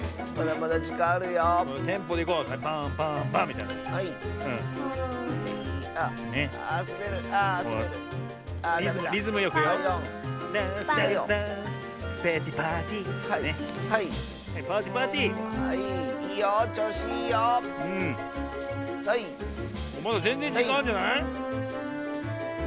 まだぜんぜんじかんあんじゃない？